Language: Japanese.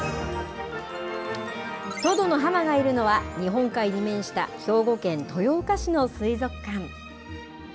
トドのハマがいるのは、日本海に面した兵庫県豊岡市の水族館。